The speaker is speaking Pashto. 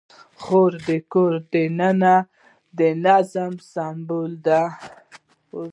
خور د کور دننه نظام سمبالوي.